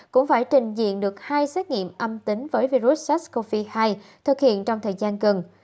cũng phải trình diện được hai xét nghiệm âm tính với virus sars cov hai thực hiện trong thời gian gần